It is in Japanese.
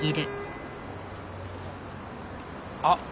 あっ。